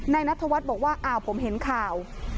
นัทธวัฒน์บอกว่าอ้าวผมเห็นข่าว